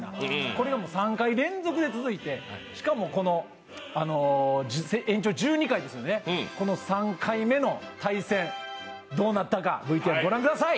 これが３回連続で続いてしかも、延長１２回ですよね、この３回目の対戦、どうなったか、ＶＴＲ御覧ください。